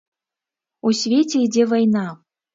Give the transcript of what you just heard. У свеце ідзе вайна.